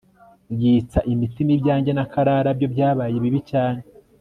yitsa imitima ibyanjye na Clara byo byabaye bibi cyane